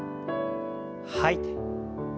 吐いて。